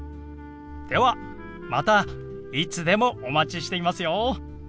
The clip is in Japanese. ではまたいつでもお待ちしていますよ！